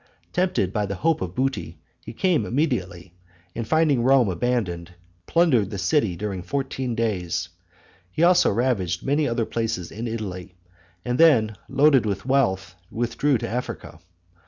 Tempted by the hope of booty, he came immediately, and finding Rome abandoned, plundered the city during fourteen days. He also ravaged many other places in Italy, and then, loaded with wealth, withdrew to Africa.